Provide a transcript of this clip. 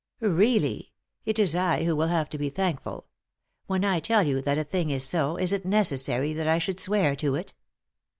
" Really, it is I who will have to be thankful. When I tell you that a thing is so, is it necessary that I should swear to it?"